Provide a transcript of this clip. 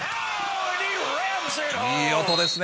いい音ですね。